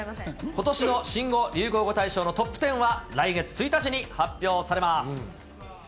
ことしの新語・流行語大賞のトップ１０は来月に発表されます。